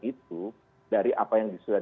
itu dari apa yang sudah